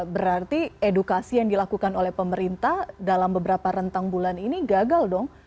berarti edukasi yang dilakukan oleh pemerintah dalam beberapa rentang bulan ini gagal dong